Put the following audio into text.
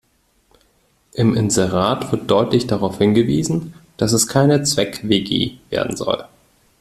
Im Inserat wird deutlich darauf hingewiesen, dass es keine Zweck-WG werden soll.